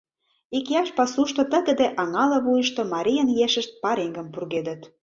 Икияш пасушто, тыгыде аҥала вуйышто, марийын ешышт пареҥгым пургедыт.